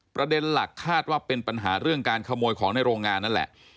ประเด็นหลักคาดว่าเป็นปัญหาเรื่องการขโมยของในโรงงานนั่นแหละ